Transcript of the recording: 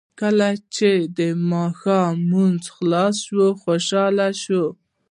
کله چې د ماښام لمونځ خلاص شو خوشاله شو.